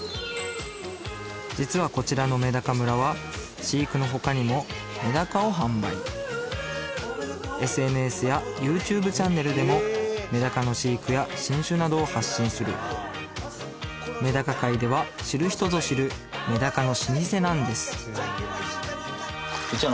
実はこちらのめだか村は飼育のほかにもめだかを販売ＳＮＳやＹｏｕＴｕｂｅチャンネルでもめだかの飼育や新種などを発信するめだか界では知る人ぞ知るめだかの老舗なんです